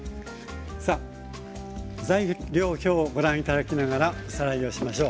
さあ材料表をご覧頂きながらおさらいをしましょう。